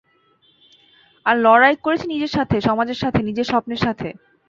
আর লড়াই করেছে নিজের সাথে, সমাজের সাথে, নিজের স্বপ্নের সাথে।